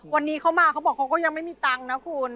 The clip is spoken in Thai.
วันนี้เขามาเขาบอกเขาก็ยังไม่มีตังค์นะคุณ